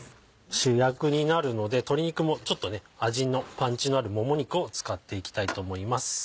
主役になるので鶏肉も味のパンチのあるもも肉を使っていきたいと思います。